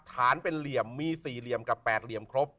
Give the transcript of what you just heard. ฐานเป็นเหลี่ยมมี๔เหลี่ยมกับ๘เหลี่ยมครบ